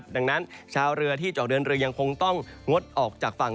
ดังนั้นชาวเรือที่จะออกเดินเรือยังคงต้องงดออกจากฝั่ง